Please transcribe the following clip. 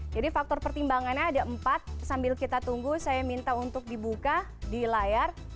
jadi faktor pertimbangannya ada empat sambil kita tunggu saya minta untuk dibuka di layar